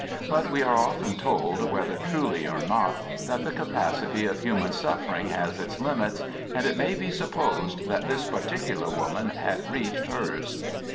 But we are often told, whether truly or not, that the capacity of human suffering has its limits, and it may be supposed that this particular woman had reached hers.